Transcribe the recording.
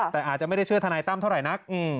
แต่อาจจะไม่ได้เชื่อทนายตั้มเท่าไหร่นัก